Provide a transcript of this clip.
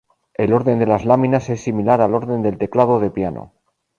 El orden de las láminas es similar al orden del teclado de piano.